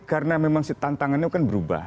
karena memang tantangannya kan berubah